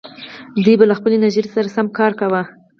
دوی به له خپلې انرژۍ سره سم کار کاوه.